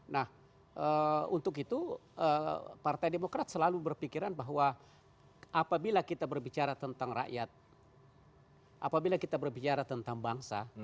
nah untuk itu partai demokrat selalu berpikiran bahwa apabila kita berbicara tentang rakyat apabila kita berbicara tentang bangsa